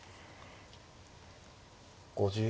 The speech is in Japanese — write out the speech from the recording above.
５０秒。